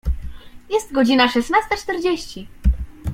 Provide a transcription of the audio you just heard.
Jest godzina szesnasta czterdzieści.